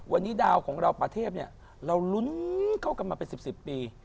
วันนี้ดาวของเราประเทศเนี่ยเราลุ้นเข้ากันมาเป็น๑๐ปี